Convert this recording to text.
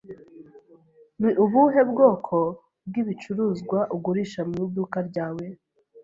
Ni ubuhe bwoko bw'ibicuruzwa ugurisha mu iduka ryawe?